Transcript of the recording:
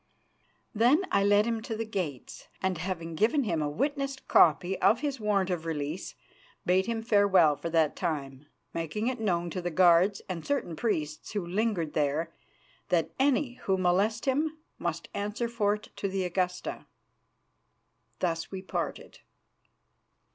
Then I led him to the gates, and, having given him a witnessed copy of his warrant of release, bade him farewell for that time, making it known to the guards and certain priests who lingered there that any who molested him must answer for it to the Augusta. Thus we parted.